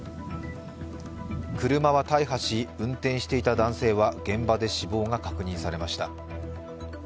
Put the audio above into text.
車は大破し、運転していた男性は現場で死亡が確認されました。